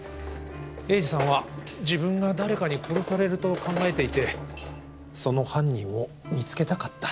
栄治さんは自分が誰かに殺されると考えていてその犯人を見つけたかった。